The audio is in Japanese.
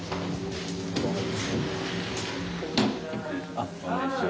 あっこんにちは。